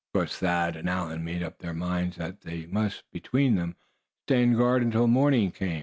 Of course Thad and Allan made up their minds that they must, between them, stand guard until morning came.